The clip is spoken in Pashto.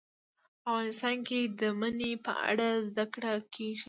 افغانستان کې د منی په اړه زده کړه کېږي.